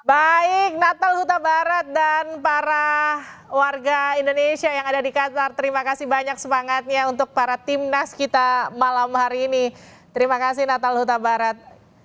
baik natal huta barat dan para warga indonesia yang ada di qatar terima kasih banyak semangatnya untuk para timnas kita malam hari ini terima kasih natal huta barat